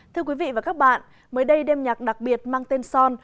thưa quý vị và các bạn mới đây đêm nhạc đặc biệt mang tên son